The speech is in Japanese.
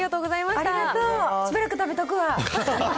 しばらく食べとくわ。